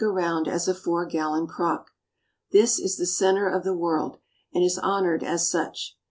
around as a four gallon crock. This is the centre of the world, and is honoured as such.